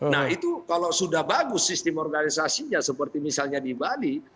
nah itu kalau sudah bagus sistem organisasinya seperti misalnya di bali